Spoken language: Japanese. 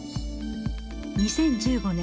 ２０１５年。